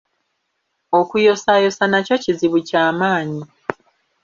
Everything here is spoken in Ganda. Okuyosaayosa nakyo kizibu kyamaanyi